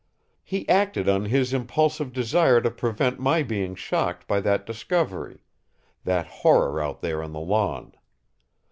"He acted on his impulsive desire to prevent my being shocked by that discovery that horror out there on the lawn.